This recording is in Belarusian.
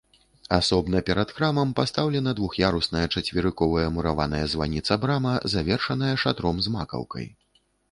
Асобна перад храмам пастаўлена двух'ярусная чацверыковая мураваная званіца-брама, завершаная шатром з макаўкай.